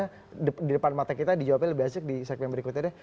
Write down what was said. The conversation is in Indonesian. karena di depan mata kita di jawabnya lebih asik di segmen berikutnya deh